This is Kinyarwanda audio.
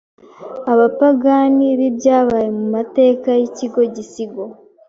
abapagani bibyabaye mu mateka yiki gisigo